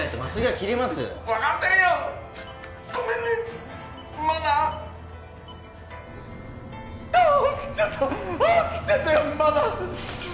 切っちゃったよママ」